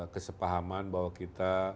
kesepahaman bahwa kita